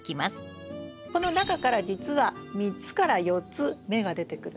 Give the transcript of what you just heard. この中からじつは３つから４つ芽が出てくるんです。